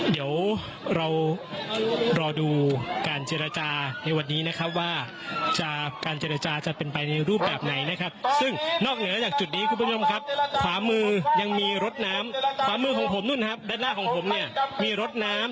เดี๋ยวเรารอดูการเจรจาในวันนี้นะครับว่าจะการเจรจาจะเป็นไปในรูปแบบไหนนะครับซึ่งนอกเหนือจากจุดนี้คุณผู้ชมครับขวามือยังมีรถน้ำขวามือของผมนู่นนะครับด้านหน้าของผมเนี่ยมีรถน้ำ